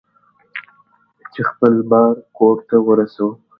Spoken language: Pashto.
چې خپل بار کور ته ورسوم.